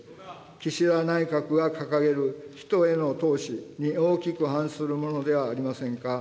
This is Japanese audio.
岸田内閣が掲げる人への投資に大きく反するものではありませんか。